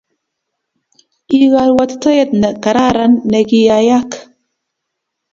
I karuatitaet ne karakaran ni ki ai ak